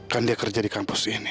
kan dia kerja di kampus ini